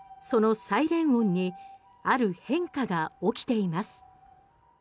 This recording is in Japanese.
そのサイレン音にある変化が起きています。